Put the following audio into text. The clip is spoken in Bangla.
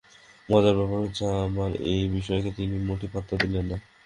মজার ব্যাপার হচ্ছে, আমার এই বিস্ময়কে তিনি মোটেই পাত্তা দিলেন না।